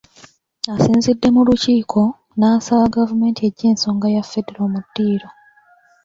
Asinzidde mu Lukiiko, n'asaba gavumenti eggye ensonga ya Federo mu ddiiro